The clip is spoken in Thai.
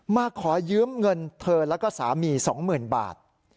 มาขอยื้มเงินเธอแล้วก็สามีสองหมื่นบาท